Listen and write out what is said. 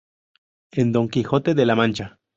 En Don Quijote de la Mancha.